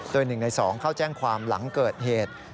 โดย๑ใน๒เข้าแจ้งความหลังเกิดเหตุ